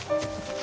あ！